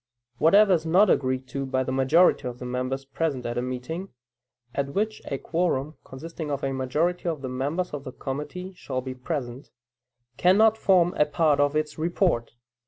Whatever is not agreed to by the majority of the members present at a meeting (at which a quorum, consisting of a majority of the members of the committee, shall be present) cannot form a part of its report.